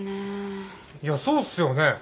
いやそうっすよね。